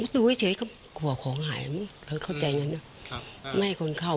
มือเชิยก็กลัวของหายมึงเขาเข้าใจงั้นป่ะครับไม่ให้คนเข้า